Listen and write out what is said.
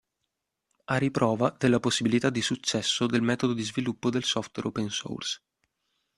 A riprova della possibilità di successo del metodo di sviluppo del software open source.